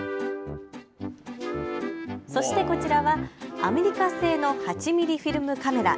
そしてこちらはアメリカ製の８ミリフィルムカメラ。